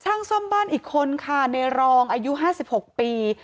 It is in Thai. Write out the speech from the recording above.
ช่างซ่อมบ้านอีกคนค่ะในรองอายุ๕๖ปี